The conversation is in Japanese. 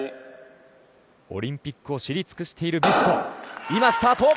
オリンピックを知り尽くしているビュスト。